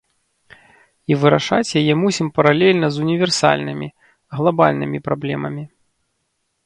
І вырашаць яе мусім паралельна з універсальнымі, глабальнымі праблемамі.